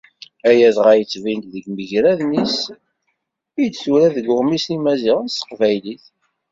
Aya dɣa yettbin-d deg yimagraden-is i d-tura deg Uɣmis n Yimaziɣen s Teqbaylit.